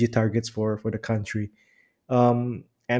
target sdg untuk negara